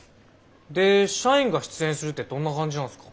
で社員が出演するってどんな感じなんすか？